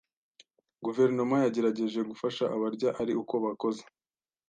Guverinoma yagerageje gufasha abarya ari uko bakoze